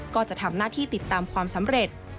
ก็จะทำหน้าที่ติดตามความสำเร็จ